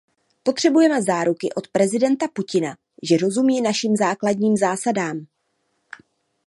Potřebujeme záruky od prezidenta Putina, že rozumí našim základním zásadám.